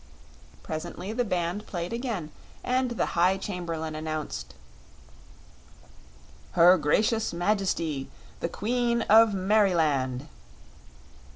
Presently the band played again, and the High Chamberlain announced: "Her Gracious Majesty, the Queen of Merryland."